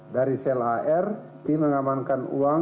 dari sel ar tim mengamankan uang sembilan puluh dua sembilan ratus enam puluh